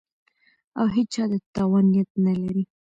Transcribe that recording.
او هېچا ته د تاوان نیت نه لري